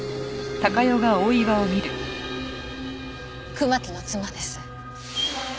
熊木の妻です。